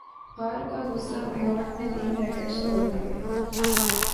ہارکاغصہبیئونٹ نے تین ریکٹس توڑ دیئے